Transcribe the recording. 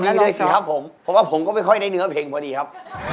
มีด้วยสิครับผมเพราะว่าผมก็ไม่ค่อยได้เนื้อเพลงพอดีครับ